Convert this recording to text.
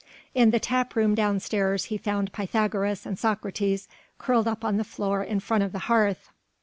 In the tap room downstairs he found Pythagoras and Socrates curled up on the floor in front of the hearth.